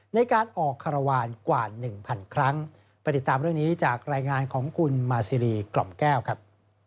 ในการออกคารวาลกว่าหนึ่งพันครั้งไปติดตามเรื่องนี้จากรายงานของคุณมาซีรีกล่อมแก้วครับ